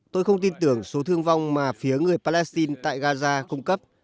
tôi không tin tưởng số thương vong mà phía người palestine tại gaza cung cấp